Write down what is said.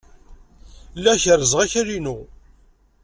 Lliɣ kerrzeɣ akal-inu.